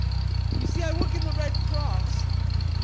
You see I work in the Red Cross....